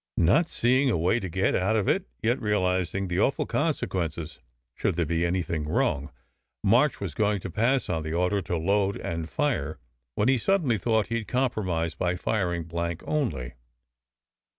Not seeing a way to get out of it, yet real izing the awful consequences should there be anything wrong, March was going to pass on the order to load and fire when he suddenly thought he d compromise by firing blank only.